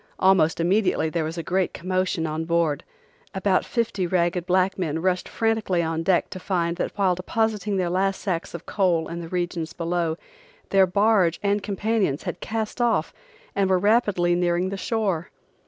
Almost immediately there was a great commotion on board. About fifty ragged black men rushed frantically on deck to find that while depositing their last sacks of coal in the regions below, their barge and companions had cast off and were rapidly nearing the shore.